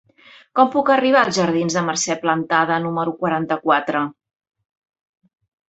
Com puc arribar als jardins de Mercè Plantada número quaranta-quatre?